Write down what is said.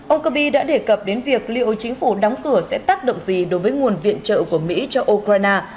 ông kirby đã đề cập đến việc liệu chính phủ đóng cửa sẽ tác động gì đối với nguồn viện trợ của mỹ cho ukraine